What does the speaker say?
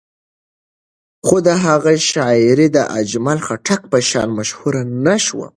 خو د هغه شاعري د اجمل خټک په شان مشهوره نه شوه.